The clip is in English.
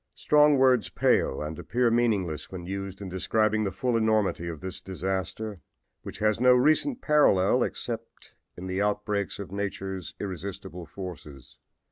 Strong words pale and appear meaningless when used in describing the full enormity of this disaster, which has no recent parallel save in the outbreaks of nature's irresistible forces.